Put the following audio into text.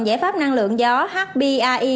giải pháp năng lượng gió hpai